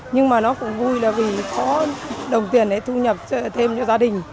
nhưng mà nó cũng vui là vì có đồng tiền để thu nhập thêm cho gia đình